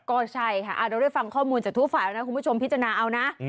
ก็ใช่ค่ะเราได้ฟังข้อมูลจากทุกฝ่ายแล้วนะคุณผู้ชมพิจารณาเอานะ